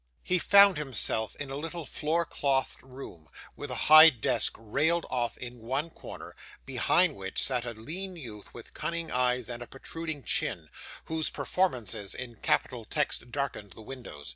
He found himself in a little floor clothed room, with a high desk railed off in one corner, behind which sat a lean youth with cunning eyes and a protruding chin, whose performances in capital text darkened the window.